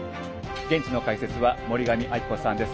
現地の解説は森上亜希子さんです。